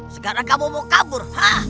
sekarang kamu mau kabur